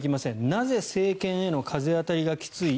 なぜ政権への風当たりがきつい